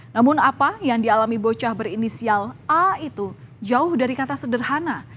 namun apa yang dialami bocah berinisial a itu jauh dari kata sederhana